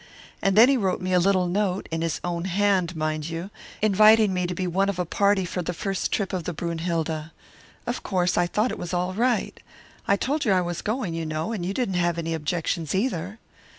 And then he wrote me a little note in his own hand, mind you inviting me to be one of a party for the first trip of the Brünnhilde. Of course, I thought it was all right. I told you I was going, you know, and you didn't have any objections either.